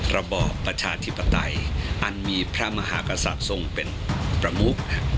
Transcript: ระบอบประชาธิปไตยอันมีพระมหากษัตริย์ทรงเป็นประมุก